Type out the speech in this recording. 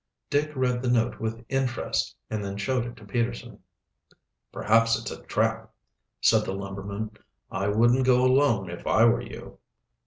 Dick read the note with interest, and then showed it to Peterson. "Perhaps it's a trap," said the lumberman. "I wouldn't go alone, if I were you."